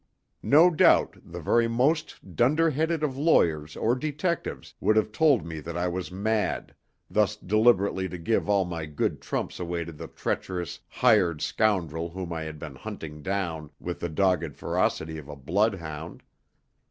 No doubt the very most dunder headed of lawyers or detectives would have told me that I was mad, thus deliberately to give all my good trumps away to the treacherous, hired scoundrel whom I had been hunting down with the dogged ferocity of a bloodhound.